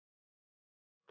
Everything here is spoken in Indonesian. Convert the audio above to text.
bang main ke sitco